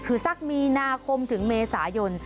คือสักมีนาคมถึงเมษายน